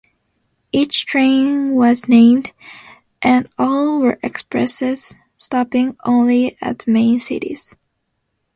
Each train was named, and all were expresses, stopping only at the main cities.